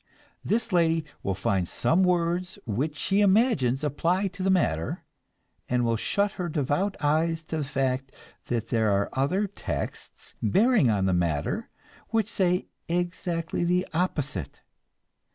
This lady will find some words which she imagines apply to the matter, and will shut her devout eyes to the fact that there are other "texts," bearing on the matter, which say exactly the opposite.